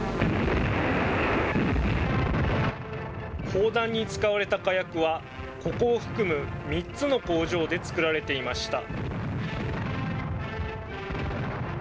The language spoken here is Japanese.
砲弾に使われた火薬は、ここを含む３つの工場で作られていました。